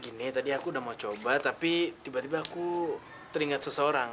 ini tadi aku udah mau coba tapi tiba tiba aku teringat seseorang